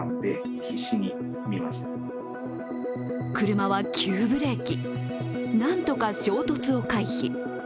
車は急ブレーキ、なんとか衝突を回避。